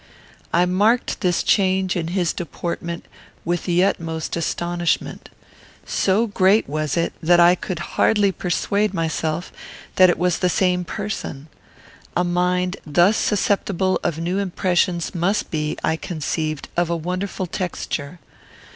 I marked this change in his deportment with the utmost astonishment. So great was it, that I could hardly persuade myself that it was the same person. A mind thus susceptible of new impressions must be, I conceived, of a wonderful texture.